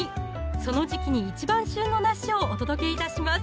その時期に一番旬の梨をお届けいたします